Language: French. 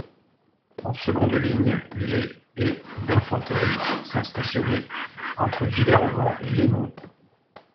En seconde ligne, les et d'infanterie sont stationnés entre Villers-aux-Vents et Laimont.